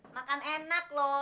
makan enak lho